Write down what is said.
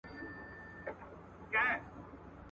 • د وږي سترگي په دېگدان کي وي.